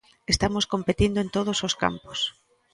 Estamos competindo en todos os campos.